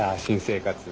新生活。